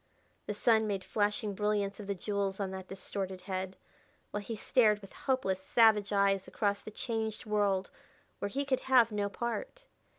The sun made flashing brilliance of the jewels on that distorted head, while he stared with hopeless, savage eyes across the changed world where he could have no part.